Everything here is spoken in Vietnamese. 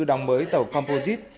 đồng mới tàu composite